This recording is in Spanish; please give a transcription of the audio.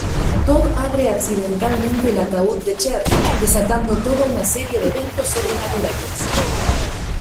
Tod abre accidentalmente el ataúd de Cherry, desatando toda una serie de eventos sobrenaturales.